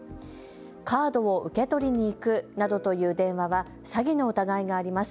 カードを受け取りに行くなどという電話は詐欺の疑いがあります。